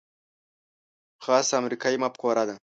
خاصه امریکايي مفکوره ده.